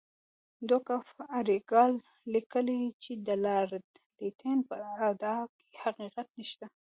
ډوک آف ارګایل لیکي چې د لارډ لیټن په ادعا کې حقیقت نشته.